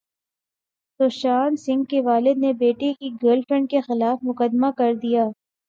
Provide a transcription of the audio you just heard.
سشانت سنگھ کے والد نے بیٹے کی گرل فرینڈ کےخلاف مقدمہ کردیا